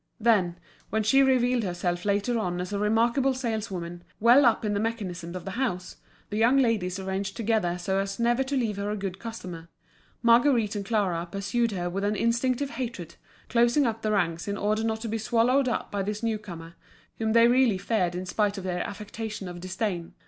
Then, when she revealed herself later on as a remarkable saleswoman, well up in the mechanism of the house, the young ladies arranged together so as never to leave her a good customer. Marguerite and Clara pursued her with an instinctive hatred, closing up the ranks in order not to be swallowed up by this new comer, whom they really feared in spite of their affectation of disdain.